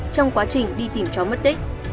trong quá trình đi tìm chó mất tích